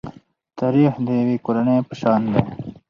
تاریخ د یوې کورنۍ په شان دی.